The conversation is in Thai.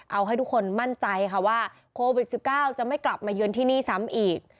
เอาให้ทุกคนมั่นใจค่ะว่าโควิด๑๙จะไม่กลับมาเยือนที่นี่ซ้ำอีก